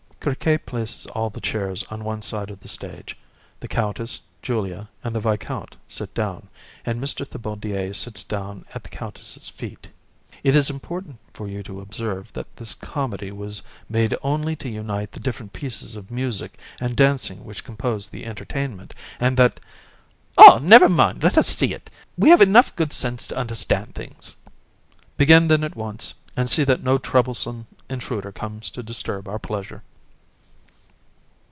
CRIQUET places all the chairs on one side of the stage. The COUNTESS, JULIA, and the VISCOUNT sit down, and MR. THIBAUDIER sits down at the COUNTESS'S feet. VISC. It is important for you to observe that this comedy was made only to unite the different pieces of music and dancing which compose the entertainment, and that ... COUN. Ah! never mind, let us see it; we have enough good sense to understand things. VISC. Begin then at once, and see that no troublesome intruder comes to disturb our pleasure.